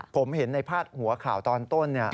ผมเห็นในภาษาหัวข่าวตอนต้นเนี่ย